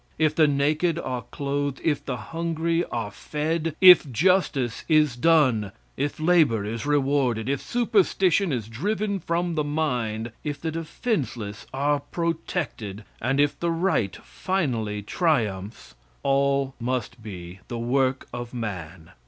If the naked are clothed; if the hungry are fed; if justice is done; if labor is rewarded; if superstition is driven from the mind, if the defenseless are protected, and if the right finally triumphs, all must be the work of man.